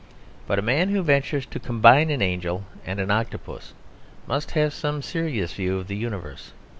But a man who ventures to combine an angel and an octopus must have some serious view of the universe.